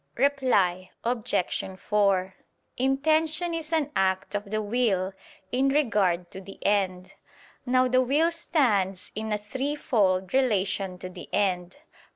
Reply Obj. 4: Intention is an act of the will in regard to the end. Now the will stands in a threefold relation to the end.